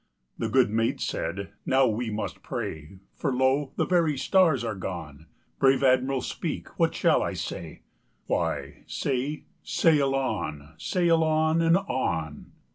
The good mate said: "Now must we pray, For lo! the very stars are gone. Brave Admiral, speak; what shall I say?" "Why, say 'Sail on! sail on! and on!